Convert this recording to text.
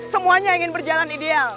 semuanya ingin berjalan ideal